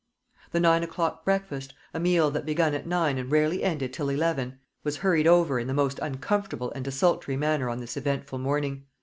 The nine o'clock breakfast a meal that began at nine and rarely ended till eleven was hurried over in the most uncomfortable and desultory manner on this eventful morning.